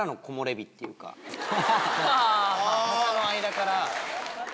笹の間から。